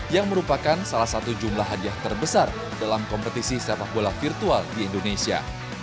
yang merupakan salah satu jumlah hadiah terbesar dalam kompetisi sepak bola virtual di indonesia